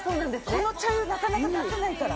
この茶色なかなか出せないから。